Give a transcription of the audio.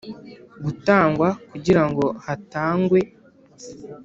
Gutangwa kugira ngo hatangwe